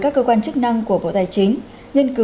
các cơ quan chức năng của bộ tài chính